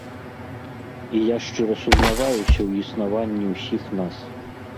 І я шчыра сумняваюся ў існаванні ўсіх нас.